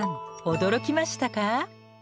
驚きましたか？